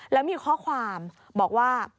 แล้วมีข้อความบอกว่า